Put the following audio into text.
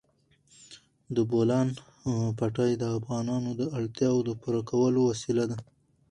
د بولان پټي د افغانانو د اړتیاوو د پوره کولو وسیله ده.